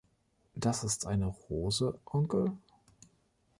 Das ist eine Rose, Onkel?